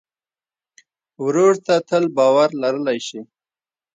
ورور ته تل باور لرلی شې.